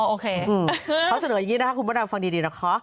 โอเคเขาเสนออย่างนี้นะคะคุณพระดำฟังดีนะคะ